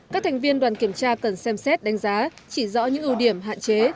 các thành viên đoàn kiểm tra cần xem xét đánh giá chỉ rõ những ưu điểm hạn chế